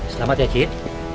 selamat ya cid